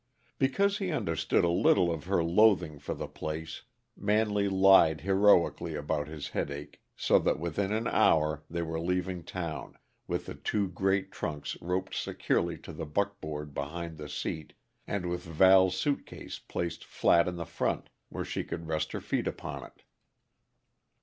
Because he understood a little of her loathing for the place, Manley lied heroically about his headache, so that within an hour they were leaving town, with the two great trunks roped securely to the buckboard behind the seat, and with Val's suitcase placed flat in the front, where she could rest her feet upon it.